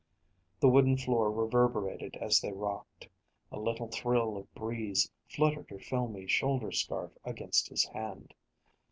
The wooden floor reverberated as they rocked. A little thrill of breeze fluttered her filmy shoulder scarf against his hand.